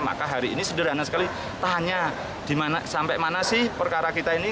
maka hari ini sederhana sekali tanya sampai mana sih perkara kita ini